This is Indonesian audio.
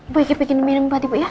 bu ikut bikin minum mbak ibu ya